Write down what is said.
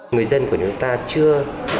người dân của chúng ta chưa